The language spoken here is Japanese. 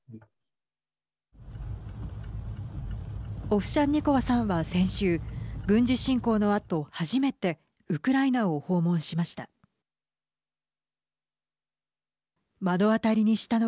オフシャンニコワさんは先週軍事侵攻のあと、初めてウクライナを訪問しました。